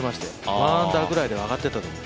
１アンダーぐらいで上がってたと思う。